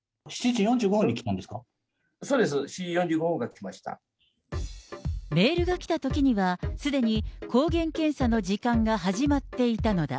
７時４５分に来まメールが来たときには、すでに抗原検査の時間が始まっていたのだ。